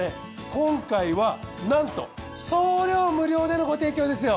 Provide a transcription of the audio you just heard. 今回はなんと送料無料でのご提供ですよ。